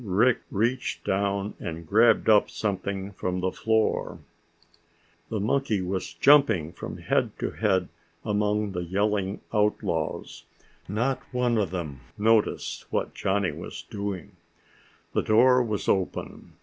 Rick reached down and grabbed up something from the floor. The monkey was jumping from head to head among the yelling outlaws. Not one of them noticed what Johnny was doing. The door was open.